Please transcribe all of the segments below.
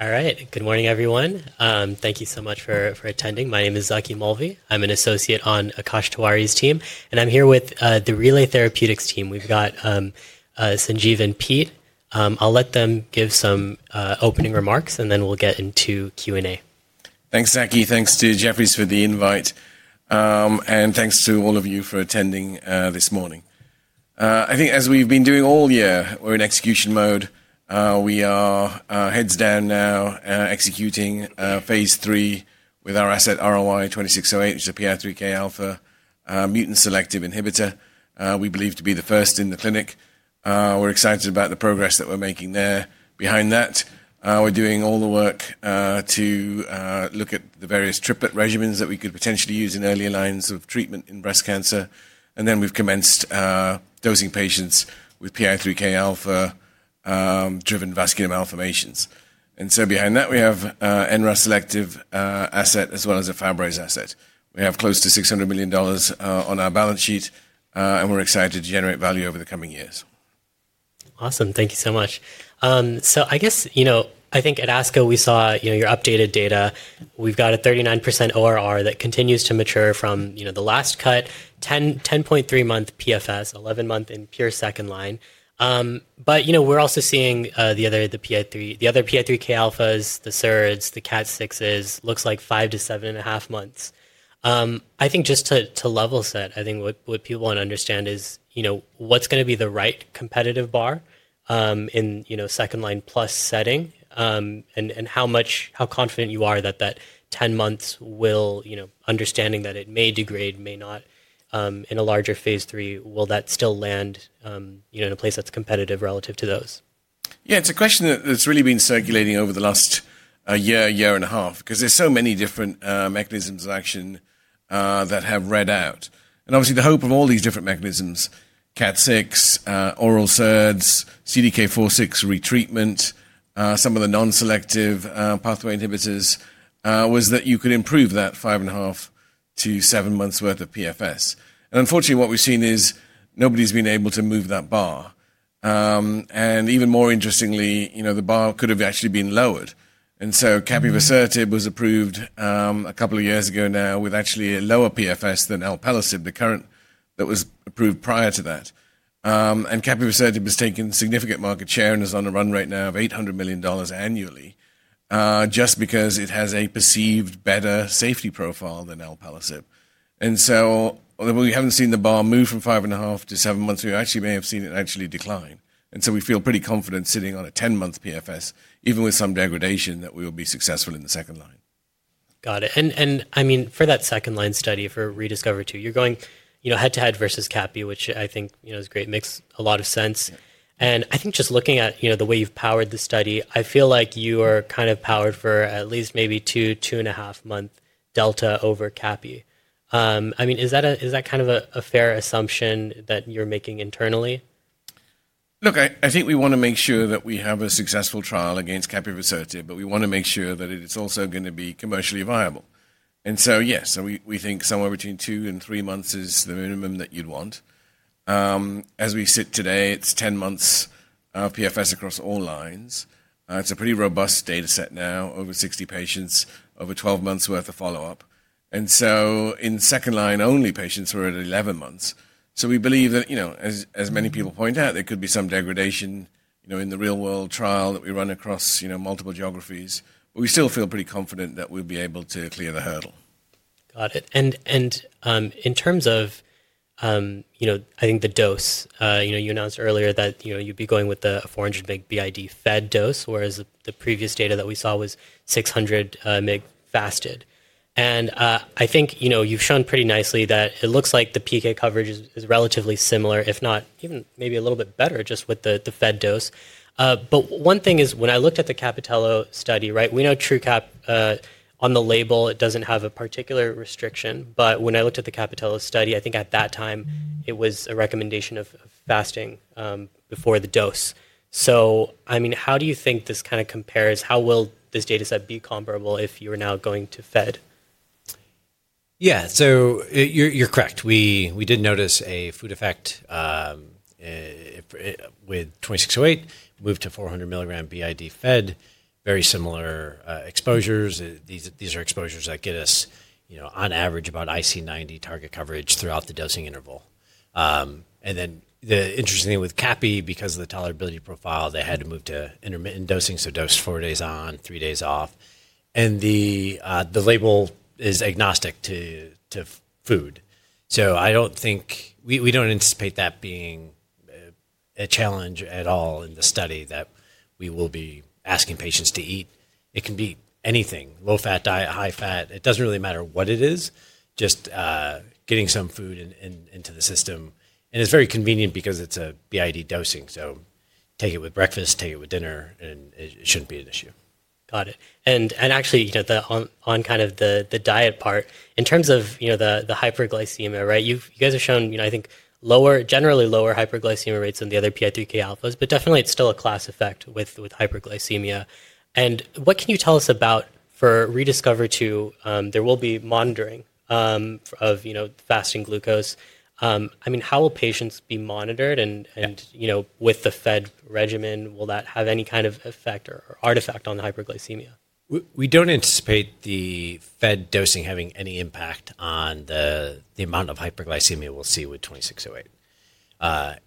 All right, good morning, everyone. Thank you so much for attending. My name is Zaki Molvi. I'm an associate on Akash Tewari's team, and I'm here with the Relay Therapeutics team. We've got Sanjiv and Pete. I'll let them give some opening remarks, and then we'll get into Q&A. Thanks, Zaki. Thanks to Jefferies for the invite, and thanks to all of you for attending this morning. I think, as we've been doing all year, we're in execution mode. We are heads down now executing phase III with our asset RLY-2608, which is a PI3K alpha mutant selective inhibitor we believe to be the first in the clinic. We're excited about the progress that we're making there. Behind that, we're doing all the work to look at the various triplet regimens that we could potentially use in earlier lines of treatment in breast cancer. We have commenced dosing patients with PI3K alpha-driven vascular malformations. Behind that, we have an NRAS selective asset as well as a Fabry asset. We have close to $600 million on our balance sheet, and we're excited to generate value over the coming years. Awesome. Thank you so much. I guess, you know, I think at ASCO we saw your updated data. We've got a 39% ORR that continues to mature from the last cut, 10.3 month PFS, 11 month in pure second line. We're also seeing the other PI3K alphas, the SERDs, the CDK4/6s, looks like five to seven and a half months. I think just to level set, I think what people want to understand is what's going to be the right competitive bar in second line plus setting and how confident you are that that 10 months will, understanding that it may degrade, may not, in a larger phase III, will that still land in a place that's competitive relative to those? Yeah, it's a question that's really been circulating over the last year, year and a half, because there's so many different mechanisms of action that have read out. Obviously, the hope of all these different mechanisms, CAT6, oral SERDs, CDK4/6 retreatment, some of the non-selective pathway inhibitors, was that you could improve that five and a half to seven months' worth of PFS. Unfortunately, what we've seen is nobody's been able to move that bar. Even more interestingly, the bar could have actually been lowered. Capivasertib was approved a couple of years ago now with actually a lower PFS than Alpelisib, the current that was approved prior to that. Capivasertib has taken significant market share and is on a run right now of $800 million annually just because it has a perceived better safety profile than Alpelisib. We have not seen the bar move from 5.5-7 months. We actually may have seen it actually decline. We feel pretty confident sitting on a 10-month PFS, even with some degradation, that we will be successful in the second line. Got it. I mean, for that second line study for ReDiscover-2, you're going head to head versus CAPI, which I think is a great mix, a lot of sense. I think just looking at the way you've powered the study, I feel like you are kind of powered for at least maybe 2, 2.5 months delta over CAPI. I mean, is that kind of a fair assumption that you're making internally? Look, I think we want to make sure that we have a successful trial against Capivasertib, but we want to make sure that it's also going to be commercially viable. Yes, we think somewhere between two and three months is the minimum that you'd want. As we sit today, it's 10 months PFS across all lines. It's a pretty robust data set now, over 60 patients, over 12 months' worth of follow-up. In second line only, patients were at 11 months. We believe that, as many people point out, there could be some degradation in the real-world trial that we run across multiple geographies. We still feel pretty confident that we'll be able to clear the hurdle. Got it. In terms of, I think, the dose, you announced earlier that you'd be going with a 400-mg BID Fed dose, whereas the previous data that we saw was 600-mg fasted. I think you've shown pretty nicely that it looks like the PK coverage is relatively similar, if not even maybe a little bit better, just with the Fed dose. One thing is, when I looked at the CAPItello study, we know TRU-CAP on the label, it doesn't have a particular restriction. When I looked at the CAPItello study, I think at that time, it was a recommendation of fasting before the dose. I mean, how do you think this kind of compares? How will this data set be comparable if you're now going to Fed? Yeah, so you're correct. We did notice a food effect with 2608, moved to 400-mg BID Fed, very similar exposures. These are exposures that get us, on average, about IC90 target coverage throughout the dosing interval. The interesting thing with CAPI, because of the tolerability profile, they had to move to intermittent dosing, so dose four days on, three days off. The label is agnostic to food. I don't think we don't anticipate that being a challenge at all in the study that we will be asking patients to eat. It can be anything, low-fat diet, high-fat. It doesn't really matter what it is, just getting some food into the system. It is very convenient because it's a BID dosing. Take it with breakfast, take it with dinner, and it shouldn't be an issue. Got it. Actually, on kind of the diet part, in terms of the hyperglycemia, you guys have shown, I think, generally lower hyperglycemia rates than the other PI3K alphas, but definitely it's still a class effect with hyperglycemia. What can you tell us about for ReDiscover-2? There will be monitoring of fasting glucose. I mean, how will patients be monitored? With the Fed regimen, will that have any kind of effect or artifact on the hyperglycemia? We do not anticipate the Fed dosing having any impact on the amount of hyperglycemia we will see with 2608.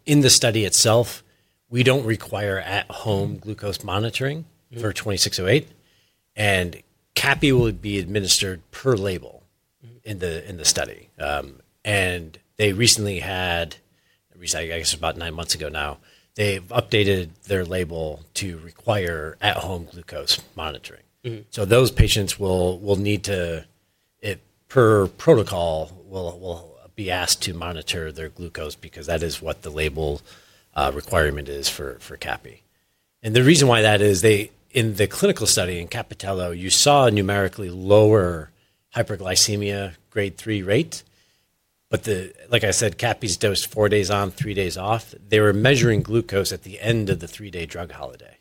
In the study itself, we do not require at-home glucose monitoring for 2608. CAPI will be administered per label in the study. They recently had, I guess, about nine months ago now, they have updated their label to require at-home glucose monitoring. Those patients will need to, per protocol, be asked to monitor their glucose because that is what the label requirement is for CAPI. The reason why that is, in the clinical study in CAPItello, you saw a numerically lower hyperglycemia grade 3 rate. Like I said, CAPI is dosed four days on, three days off. They were measuring glucose at the end of the three-day drug holiday.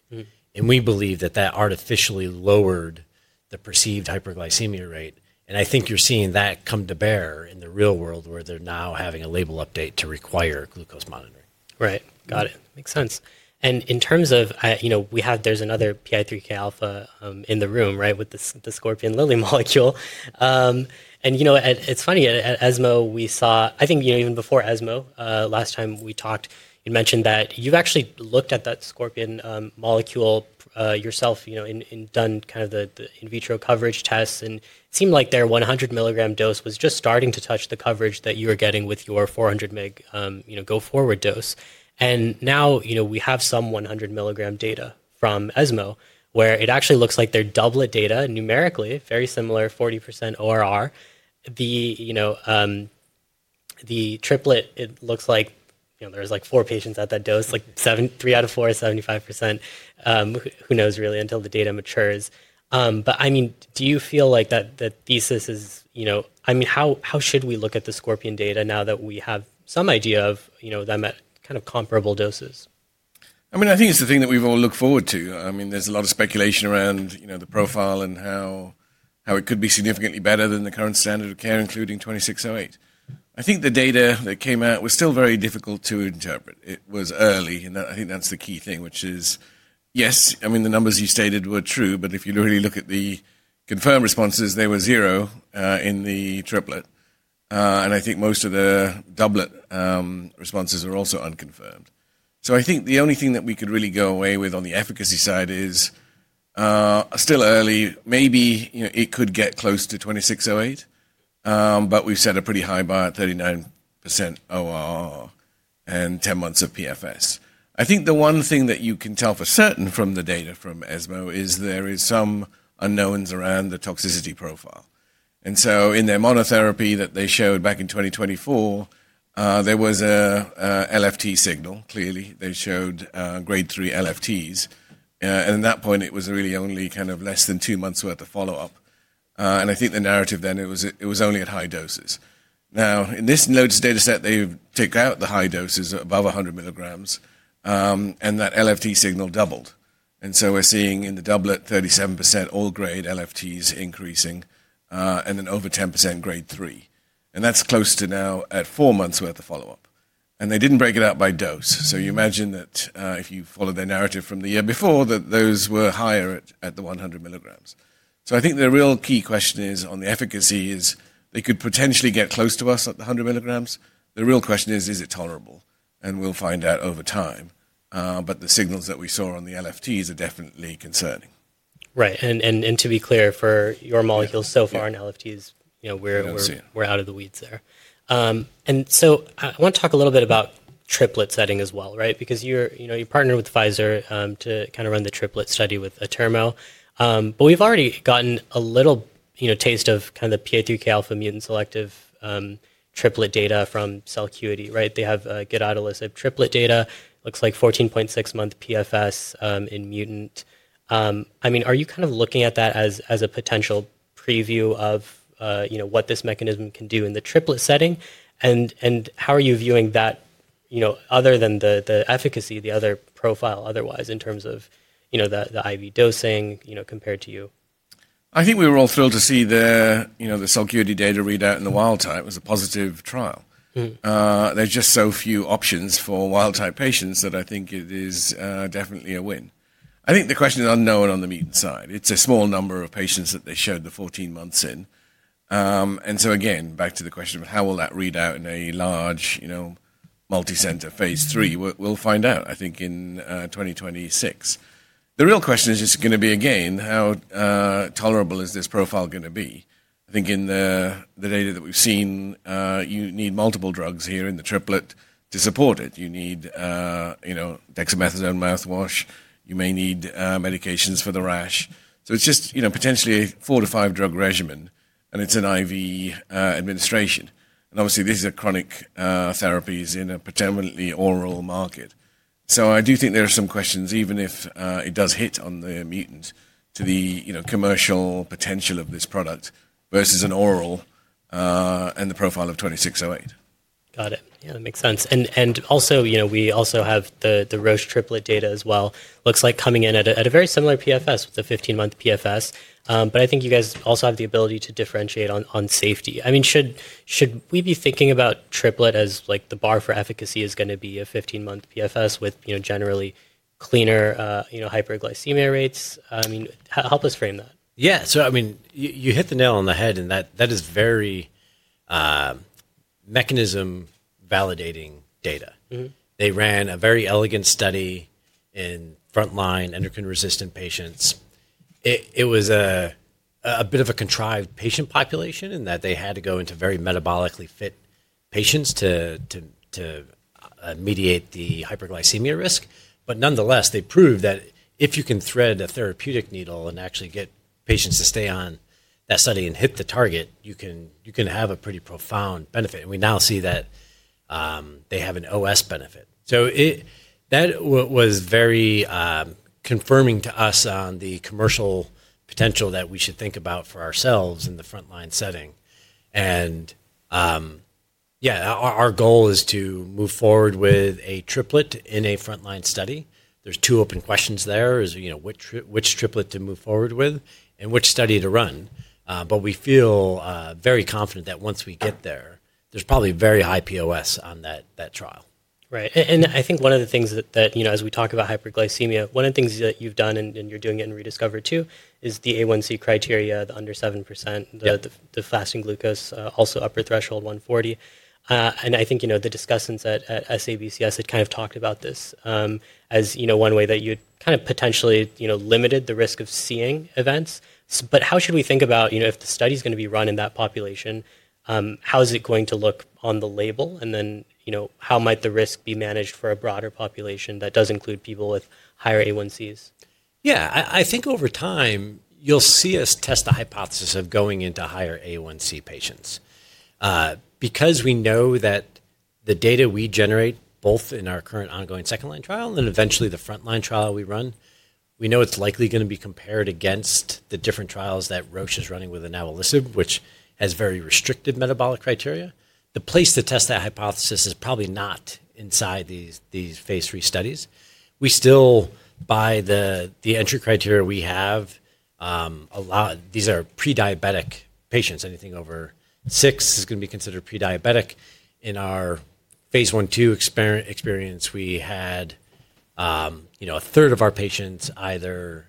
We believe that artificially lowered the perceived hyperglycemia rate. I think you're seeing that come to bear in the real world where they're now having a label update to require glucose monitoring. Right. Got it. Makes sense. In terms of, there's another PI3K alpha in the room with the Scorpion molecule. It's funny, at ESMO, we saw, I think even before ESMO, last time we talked, you mentioned that you've actually looked at that Scorpion molecule yourself and done kind of the in vitro coverage tests. It seemed like their 100 mg dose was just starting to touch the coverage that you were getting with your 400 mg go-forward dose. Now we have some 100 mg data from ESMO, where it actually looks like their doublet data, numerically, very similar, 40% ORR. The triplet, it looks like there's like four patients at that dose, like three out of four is 75%. Who knows, really, until the data matures. I mean, do you feel like that thesis is, I mean, how should we look at the Scorpion data now that we have some idea of them at kind of comparable doses? I mean, I think it's the thing that we've all looked forward to. I mean, there's a lot of speculation around the profile and how it could be significantly better than the current standard of care, including 2608. I think the data that came out was still very difficult to interpret. It was early. I think that's the key thing, which is, yes, I mean, the numbers you stated were true. If you really look at the confirmed responses, they were zero in the triplet. I think most of the doublet responses are also unconfirmed. I think the only thing that we could really go away with on the efficacy side is still early. Maybe it could get close to 2608, but we've set a pretty high bar at 39% ORR and 10 months of PFS. I think the one thing that you can tell for certain from the data from ESMO is there are some unknowns around the toxicity profile. In their monotherapy that they showed back in 2024, there was an LFT signal, clearly. They showed grade three LFTs. At that point, it was really only kind of less than two months' worth of follow-up. I think the narrative then, it was only at high doses. Now, in this latest data set, they took out the high doses above 100 mg, and that LFT signal doubled. We're seeing in the doublet, 37% all grade LFTs increasing, and then over 10% grade three. That's close to now at four months' worth of follow-up. They didn't break it out by dose. You imagine that if you follow their narrative from the year before, that those were higher at the 100 mg. I think the real key question on the efficacy is they could potentially get close to us at the 100 mg. The real question is, is it tolerable? We'll find out over time. The signals that we saw on the LFTs are definitely concerning. Right. To be clear, for your molecule, so far in LFTs, we're out of the weeds there. I want to talk a little bit about triplet setting as well, because you partnered with Pfizer to kind of run the triplet study with RLY-2608. We've already gotten a little taste of the PI3K alpha mutant selective triplet data from Inavolisib. They have good, I'd list, triplet data. Looks like 14.6-month PFS in mutant. I mean, are you kind of looking at that as a potential preview of what this mechanism can do in the triplet setting? How are you viewing that other than the efficacy, the other profile otherwise in terms of the IV dosing compared to you? I think we were all thrilled to see the Selpercatinib data readout in the wild type. It was a positive trial. There's just so few options for wild type patients that I think it is definitely a win. I think the question is unknown on the mutant side. It's a small number of patients that they showed the 14 months in. Again, back to the question of how will that read out in a large multicenter phase III, we'll find out, I think, in 2026. The real question is just going to be, again, how tolerable is this profile going to be? I think in the data that we've seen, you need multiple drugs here in the triplet to support it. You need dexamethasone mouthwash. You may need medications for the rash. It is just potentially a four to five drug regimen, and it's an IV administration. Obviously, these are chronic therapies in a predominantly oral market. I do think there are some questions, even if it does hit on the mutants, to the commercial potential of this product versus an oral and the profile of 2608. Got it. Yeah, that makes sense. We also have the Roche triplet data as well. Looks like coming in at a very similar PFS with the 15-month PFS. I think you guys also have the ability to differentiate on safety. I mean, should we be thinking about triplet as the bar for efficacy is going to be a 15-month PFS with generally cleaner hyperglycemia rates? I mean, help us frame that. Yeah. I mean, you hit the nail on the head, and that is very mechanism validating data. They ran a very elegant study in frontline endocrine resistant patients. It was a bit of a contrived patient population in that they had to go into very metabolically fit patients to mediate the hyperglycemia risk. Nonetheless, they proved that if you can thread a therapeutic needle and actually get patients to stay on that study and hit the target, you can have a pretty profound benefit. We now see that they have an OS benefit. That was very confirming to us on the commercial potential that we should think about for ourselves in the frontline setting. Yeah, our goal is to move forward with a triplet in a frontline study. There are two open questions there: which triplet to move forward with and which study to run. We feel very confident that once we get there, there's probably very high POS on that trial. Right. I think one of the things that, as we talk about hyperglycemia, one of the things that you've done, and you're doing it in ReDiscover-2, is the A1C criteria, the under 7%, the fasting glucose, also upper threshold 140. I think the discussions at SABCS had kind of talked about this as one way that you'd kind of potentially limited the risk of seeing events. How should we think about if the study is going to be run in that population, how is it going to look on the label? How might the risk be managed for a broader population that does include people with higher A1Cs? Yeah, I think over time, you'll see us test the hypothesis of going into higher A1C patients. Because we know that the data we generate, both in our current ongoing second-line trial and eventually the frontline trial we run, we know it's likely going to be compared against the different trials that Roche is running with Inavolisib, which has very restricted metabolic criteria. The place to test that hypothesis is probably not inside these phase III studies. We still, by the entry criteria we have, these are prediabetic patients. Anything over six is going to be considered prediabetic. In our phase I/II experience, we had a third of our patients either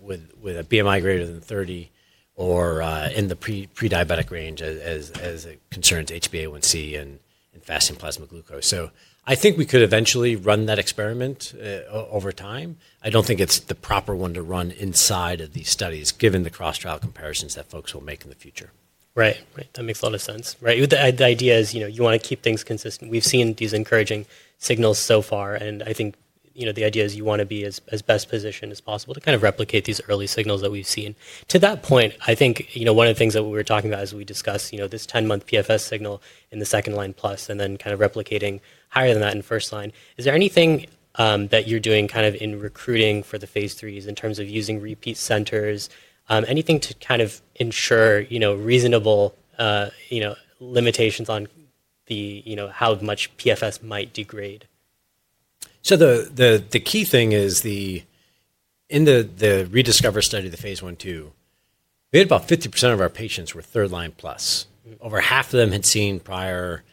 with a BMI greater than 30 or in the prediabetic range as it concerns HbA1c and fasting plasma glucose. I think we could eventually run that experiment over time. I don't think it's the proper one to run inside of these studies, given the cross-trial comparisons that folks will make in the future. Right. Right. That makes a lot of sense. Right. The idea is you want to keep things consistent. We've seen these encouraging signals so far. I think the idea is you want to be as best positioned as possible to kind of replicate these early signals that we've seen. To that point, I think one of the things that we were talking about as we discussed this 10-month PFS signal in the second-line plus and then kind of replicating higher than that in first line, is there anything that you're doing kind of in recruiting for the phase IIIs in terms of using repeat centers? Anything to kind of ensure reasonable limitations on how much PFS might degrade? The key thing is in the ReDiscover study of the phase I/II, we had about 50% of our patients were third-line plus. Over half of them had seen prior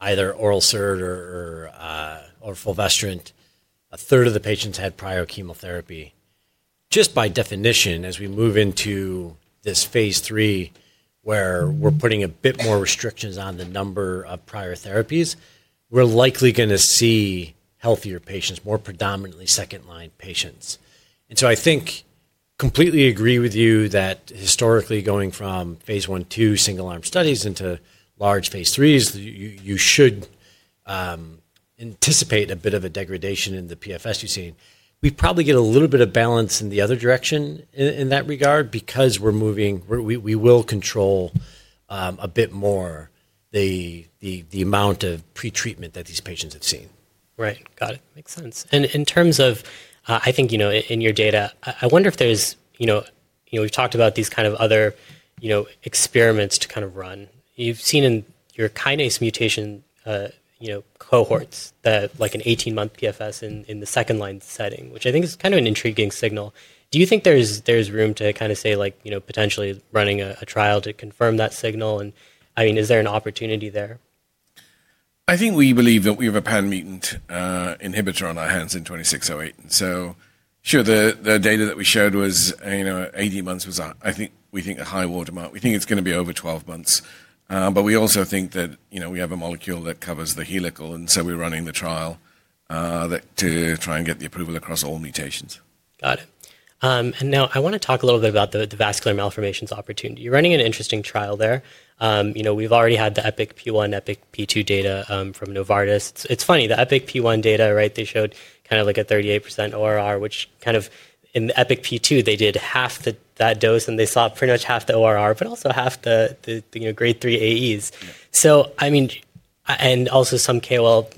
either oral SERD or fulvestrant. A third of the patients had prior chemotherapy. Just by definition, as we move into this phase III, where we're putting a bit more restrictions on the number of prior therapies, we're likely going to see healthier patients, more predominantly second-line patients. I think completely agree with you that historically, going from phase I/II single-arm studies into large phase IIIs, you should anticipate a bit of a degradation in the PFS you've seen. We probably get a little bit of balance in the other direction in that regard because we will control a bit more the amount of pretreatment that these patients have seen. Right. Got it. Makes sense. In terms of, I think in your data, I wonder if there's, we've talked about these kind of other experiments to kind of run. You've seen in your kinase mutation cohorts that like an 18-month PFS in the second-line setting, which I think is kind of an intriguing signal. Do you think there's room to kind of say potentially running a trial to confirm that signal? I mean, is there an opportunity there? I think we believe that we have a pan-mutant inhibitor on our hands in 2608. The data that we showed was 18 months, I think we think a high watermark. We think it's going to be over 12 months. We also think that we have a molecule that covers the helical. We are running the trial to try and get the approval across all mutations. Got it. Now I want to talk a little bit about the vascular malformations opportunity. You're running an interesting trial there. We've already had the EPIK-P1, EPIK-P2 data from Novartis. It's funny, the EPIK-P1 data, right, they showed kind of like a 38% ORR, which kind of in the EPIK-P2, they did half that dose, and they saw pretty much half the ORR, but also half the grade three AEs. I mean, and also some KOL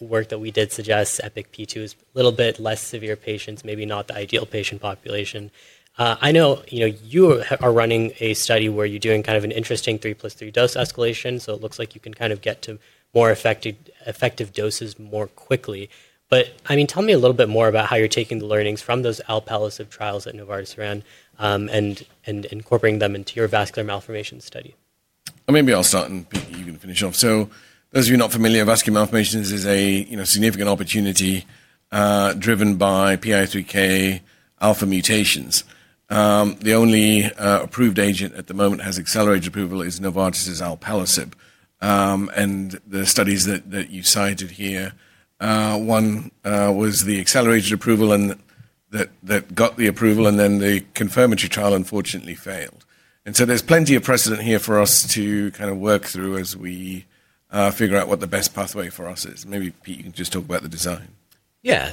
work that we did suggest EPIK-P2 is a little bit less severe patients, maybe not the ideal patient population. I know you are running a study where you're doing kind of an interesting three plus three dose escalation. It looks like you can kind of get to more effective doses more quickly. I mean, tell me a little bit more about how you're taking the learnings from those Alpelisib trials that Novartis ran and incorporating them into your vascular malformation study. Maybe I'll start and you can finish off. Those of you not familiar, vascular malformations is a significant opportunity driven by PI3K alpha mutations. The only approved agent at the moment with accelerated approval is Novartis' Alpelisib. The studies that you cited here, one was the accelerated approval that got the approval, and then the confirmatory trial unfortunately failed. There is plenty of precedent here for us to kind of work through as we figure out what the best pathway for us is. Maybe you can just talk about the design. Yeah.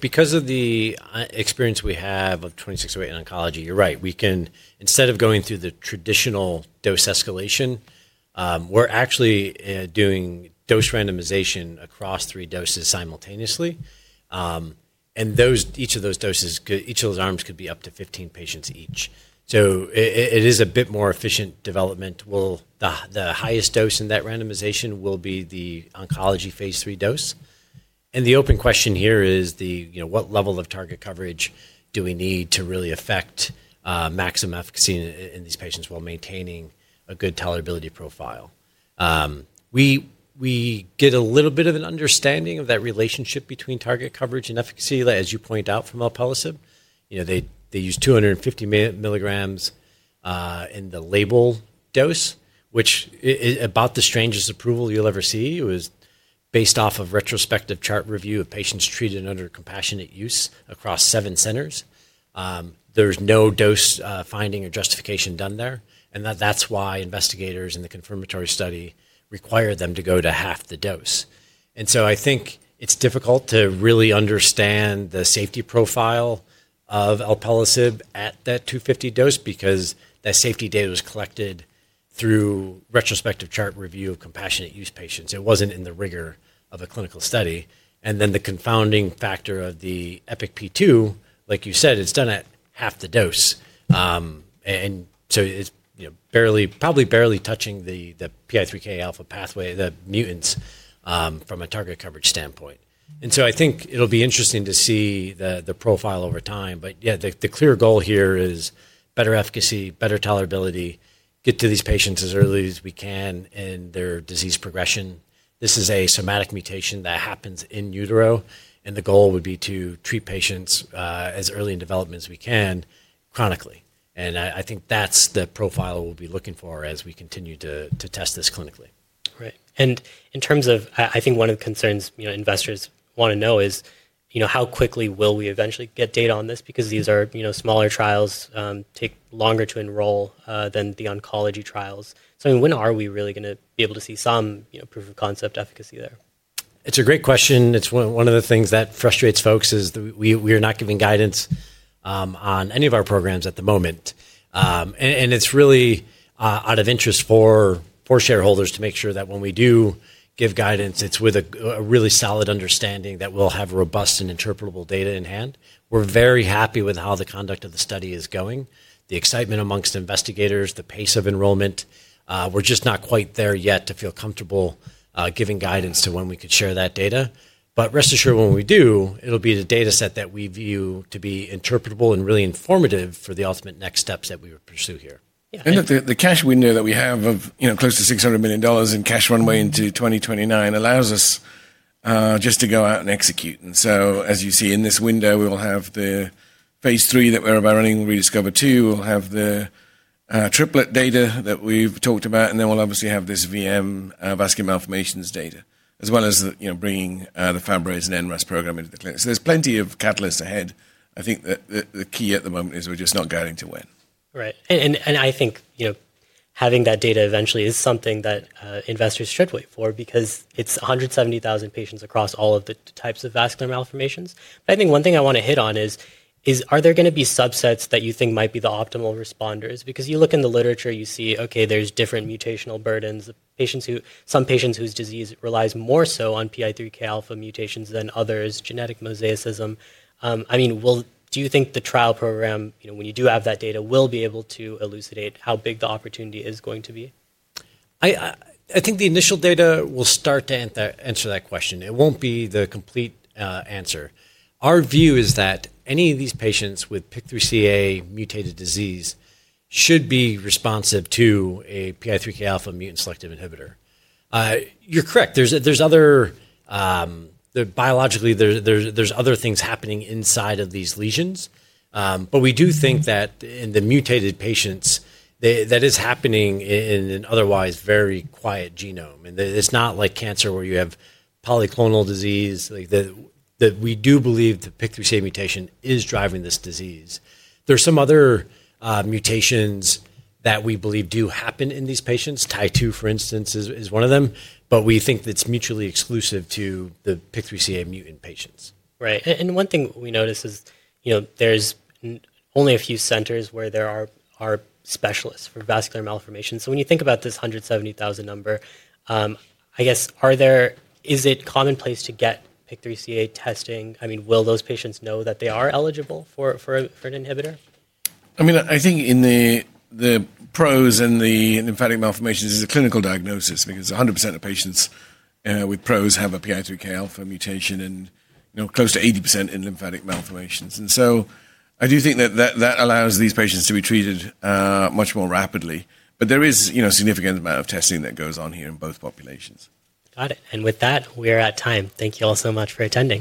Because of the experience we have of 2608 in oncology, you're right. We can, instead of going through the traditional dose escalation, actually do dose randomization across three doses simultaneously. Each of those doses, each of those arms could be up to 15 patients each. It is a bit more efficient development. The highest dose in that randomization will be the oncology phase III dose. The open question here is what level of target coverage do we need to really affect maximum efficacy in these patients while maintaining a good tolerability profile? We get a little bit of an understanding of that relationship between target coverage and efficacy, as you point out from Alpelisib. They use 250 mg in the label dose, which is about the strangest approval you'll ever see. It was based off of retrospective chart review of patients treated under compassionate use across seven centers. There is no dose finding or justification done there. That is why investigators in the confirmatory study required them to go to half the dose. I think it's difficult to really understand the safety profile of Alpelisib at that 250 dose because that safety data was collected through retrospective chart review of compassionate use patients. It wasn't in the rigor of a clinical study. The confounding factor of the EPIK-P2, like you said, it's done at half the dose. It's probably barely touching the PI3K alpha pathway, the mutants from a target coverage standpoint. I think it'll be interesting to see the profile over time. The clear goal here is better efficacy, better tolerability, get to these patients as early as we can in their disease progression. This is a somatic mutation that happens in utero. The goal would be to treat patients as early in development as we can chronically. I think that's the profile we'll be looking for as we continue to test this clinically. Right. In terms of, I think one of the concerns investors want to know is how quickly will we eventually get data on this? Because these are smaller trials, take longer to enroll than the oncology trials. I mean, when are we really going to be able to see some proof of concept efficacy there? It's a great question. One of the things that frustrates folks is we are not giving guidance on any of our programs at the moment. It's really out of interest for shareholders to make sure that when we do give guidance, it's with a really solid understanding that we'll have robust and interpretable data in hand. We're very happy with how the conduct of the study is going, the excitement amongst investigators, the pace of enrollment. We're just not quite there yet to feel comfortable giving guidance to when we could share that data. Rest assured, when we do, it'll be the data set that we view to be interpretable and really informative for the ultimate next steps that we would pursue here. Yeah. The cash window that we have of close to $600 million in cash runway into 2029 allows us just to go out and execute. As you see in this window, we will have the phase III that we're about running, Rediscover II. We'll have the triplet data that we've talked about. We will obviously have this VM vascular malformations data, as well as bringing the Fabry and NRAS program into the clinic. There are plenty of catalysts ahead. I think that the key at the moment is we're just not guiding to when. Right. I think having that data eventually is something that investors should wait for because it's 170,000 patients across all of the types of vascular malformations. I think one thing I want to hit on is, are there going to be subsets that you think might be the optimal responders? You look in the literature, you see, okay, there's different mutational burdens. Some patients whose disease relies more so on PI3K alpha mutations than others, genetic mosaicism. I mean, do you think the trial program, when you do have that data, will be able to elucidate how big the opportunity is going to be? I think the initial data will start to answer that question. It won't be the complete answer. Our view is that any of these patients with PIK3CA mutated disease should be responsive to a PI3K alpha mutant selective inhibitor. You're correct. There's other biologically, there's other things happening inside of these lesions. We do think that in the mutated patients, that is happening in an otherwise very quiet genome. It's not like cancer where you have polyclonal disease. We do believe the PIK3CA mutation is driving this disease. There are some other mutations that we believe do happen in these patients. TY2, for instance, is one of them. We think that's mutually exclusive to the PIK3CA mutant patients. Right. One thing we notice is there's only a few centers where there are specialists for vascular malformations. When you think about this 170,000 number, I guess, is it commonplace to get PI3K alpha testing? I mean, will those patients know that they are eligible for an inhibitor? I mean, I think in the PROs and the lymphatic malformations is a clinical diagnosis because 100% of patients with PROs have a PI3K alpha mutation and close to 80% in lymphatic malformations. I do think that that allows these patients to be treated much more rapidly. There is a significant amount of testing that goes on here in both populations. Got it. With that, we're at time. Thank you all so much for attending.